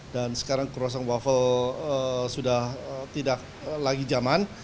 dan sekarang croissant waffle sudah tidak lagi jaman